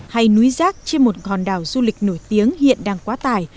hay núi rác trên một hòn đảo du lịch nổi tiếng hiện đang quá tải